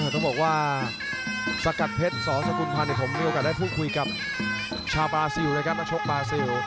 ต้องบอกว่าสกัดเพชรสองสกุลพันธ์ผมมีโอกาสได้พูดคุยกับชาวบาซิลนะครับนักชกบาซิล